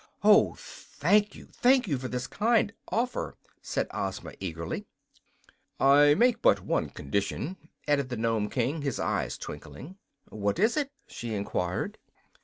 "Oh, thank you! thank you for this kind offer!" said Ozma, eagerly. "I make but one condition," added the Nome King, his eyes twinkling. "What is it?" she enquired.